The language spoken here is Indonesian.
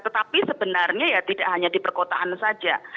tetapi sebenarnya ya tidak hanya di perkotaan saja